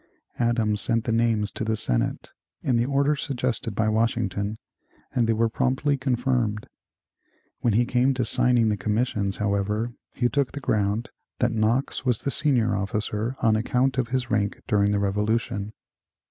Adams sent the names to the Senate, in the order suggested by Washington, and they were promptly confirmed. When he came to signing the commissions, however, he took the ground that Knox was the senior officer on account of his rank during the Revolution.